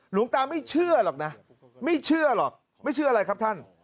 หลวงตาไม่เชื่อหรอกนะไม่เชื่อหรอกไม่เชื่ออะไรครับท่าน